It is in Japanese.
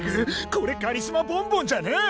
これカリスマボンボンじゃねえ！